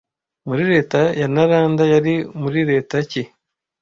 Muri leta ya Nalanda yari muri leta ki